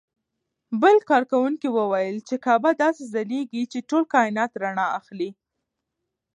بل کاروونکي وویل چې کعبه داسې ځلېږي چې ټول کاینات رڼا اخلي.